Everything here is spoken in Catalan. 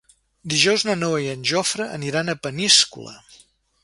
Dijous na Noa i en Jofre aniran a Peníscola.